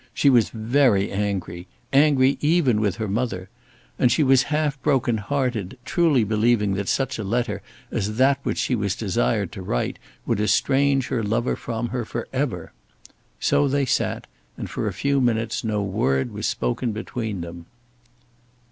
She was very angry, angry even with her mother; and she was half broken hearted, truly believing that such a letter as that which she was desired to write would estrange her lover from her for ever. So they sat, and for a few minutes no word was spoken between them.